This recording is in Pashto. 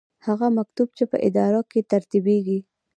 هغه مکتوب چې په اداره کې ترتیبیږي.